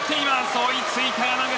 追いついた山口。